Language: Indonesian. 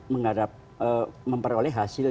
mengharap memperoleh hasil